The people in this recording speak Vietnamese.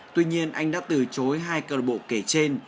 tuy nhiên anh đã từ chối hai cơ lộc bộ kể trên